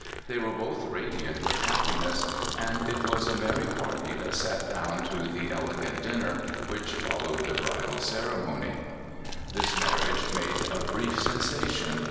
They were both radiant with happiness, and it was a merry party that sat down to the ele gant dinner which followed the bridal ceremony. 3 (33) 84 A Woman of the Early Days. This marriage made a brief sensation.